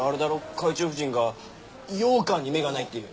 会長夫人がようかんに目がないっていう。